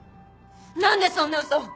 何でそんな嘘！？